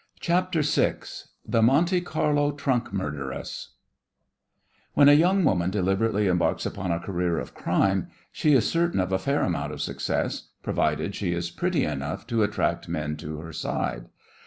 CHAPTER VI THE MONTE CARLO TRUNK MURDERESS When a young woman deliberately embarks upon a career of crime she is certain of a fair amount of success, provided she is pretty enough to attract men to her side.